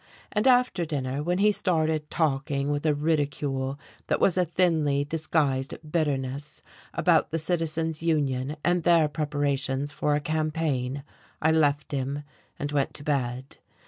And after dinner, when he started talking with a ridicule that was a thinly disguised bitterness about the Citizens Union and their preparations for a campaign I left him and went to bed.